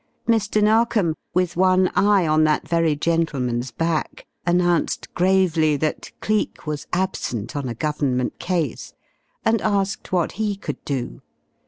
Mr. Narkom, with one eye on that very gentleman's back, announced gravely that Cleek was absent on a government case, and asked what he could do.